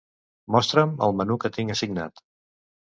Mostra'm el menú que tinc assignat.